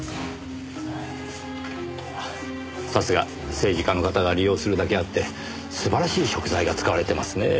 さすが政治家の方が利用するだけあって素晴らしい食材が使われてますねぇ。